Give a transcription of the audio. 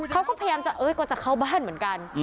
เขาก็พร้อมจะเข้าบ้านเหมือนกัน